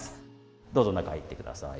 どうぞ中へ入って下さい。